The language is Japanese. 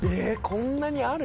こんなにある？